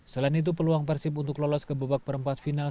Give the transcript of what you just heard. selain itu peluang persib untuk lolos ke babak perempat final